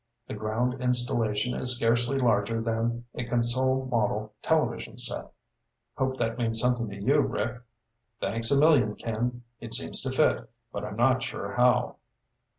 The ground installation is scarcely larger than a console model television set.' Hope that means something to you, Rick." "Thanks a million, Ken. It seems to fit, but I'm not sure how."